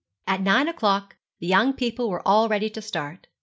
At nine o'clock the young people were all ready to start.